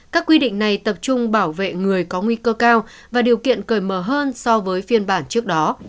các quy định này tập trung bảo vệ người có nguy cơ cao và điều kiện cởi mở hơn so với phiên bản trước đó